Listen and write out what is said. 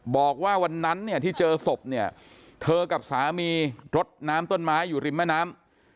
บอกว่าวันนั้นเนี่ยที่เจอศพเนี่ยเธอกับสามีรดน้ำต้นไม้อยู่ริมแม่น้ำ